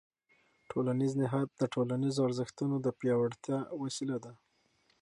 ټولنیز نهاد د ټولنیزو ارزښتونو د پیاوړتیا وسیله ده.